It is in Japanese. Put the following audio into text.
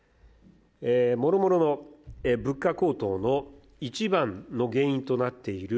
もろもろの物価高騰の一番の原因となっている